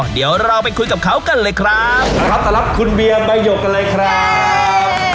เดี๋ยวเราไปคุยกับเขากันเลยครับเอาละครับต่อลับคุณเบียร์ใบหยกกันเลยครับ